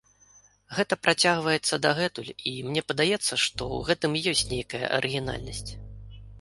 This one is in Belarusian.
Гэта працягваецца дагэтуль, і мне падаецца, што ў гэтым і ёсць нейкая арыгінальнасць.